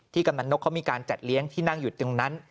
ที่กำเนาะเค้ามีการจัดเลี้ยงที่นั่งอยู่ในตึงนั้น